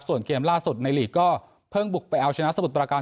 ส่วนเกมล่าสุดในหลีกก็เพิ่งบุกไปเอาชนะสมุทรประการ